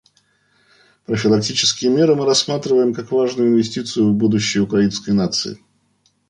Профилактические меры мы рассматриваем как важную инвестицию в будущее украинской нации.